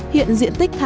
hiện diện tích thải